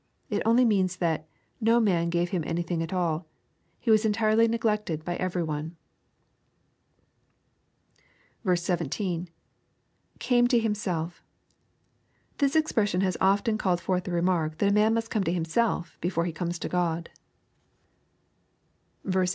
It only means, that '* No man gave him anything at all ;— ^he was entirely neglected by everv one." 17. — [CaTne to himself.] This expression has often called forth the remark that a man must come to himself, before he comes to GkxL LUKE, CHAP.